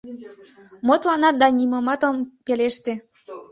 — Мо толынат да нимомат от пелеште?